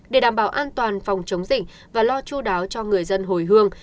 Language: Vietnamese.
để đảm bảo an toàn phòng chống dịch và lo chú đáo cho người dân hồi hương